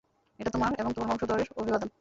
এটা তোমার এবং তোমরা বংশধরের অভিবাদন।